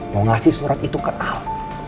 mau ngasih surat itu ke a